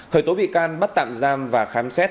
khởi tố bị can bắt tạm giam và khám xét